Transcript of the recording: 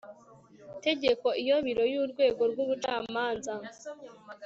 tegeko iyo Biro y urwego rw ubucamanza